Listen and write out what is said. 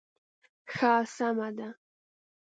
ښه سمه ده.